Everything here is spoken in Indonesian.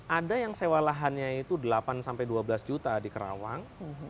ada yang sewa lahannya itu delapan sampai dua belas juta di kerawang